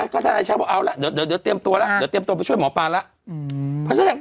ก็ท่านไอ้ชาวบอกเอาล่ะเดี๋ยวเตรียมตัวไปช่วยหมอป้าแล้ว